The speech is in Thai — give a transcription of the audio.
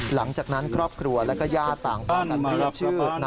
หลังจากนั้นครอบครัวและก็ญาติต่างประกัน